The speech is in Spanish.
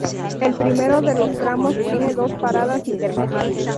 El primero de los tramos tiene dos paradas intermedias.